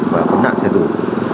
và khuẩn nạn xe rủ